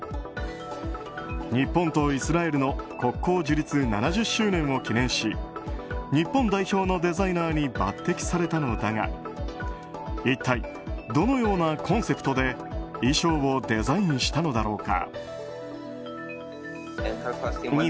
日本とイスラエルの国交樹立７０周年を記念し日本代表のデザイナーに抜擢されたのだが一体、どのようなコンセプトで衣装をデザインしたのだろうか。